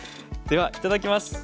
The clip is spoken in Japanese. ではいただきます。